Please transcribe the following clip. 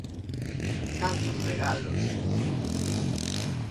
Cantos regalos.